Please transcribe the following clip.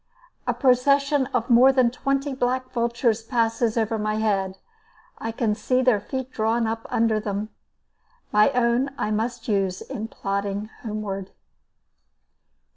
A procession of more than twenty black vultures passes over my head. I can see their feet drawn up under them. My own I must use in plodding homeward.